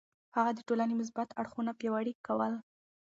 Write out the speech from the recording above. هغه د ټولنې مثبت اړخونه پياوړي کول.